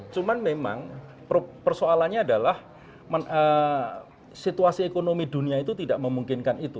cuman memang persoalannya adalah situasi ekonomi dunia itu tidak memungkinkan itu